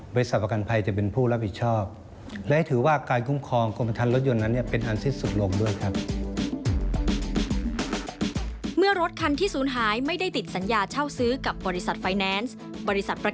บริษัทประกันภัยจะเป็นผู้รับผิดชอบ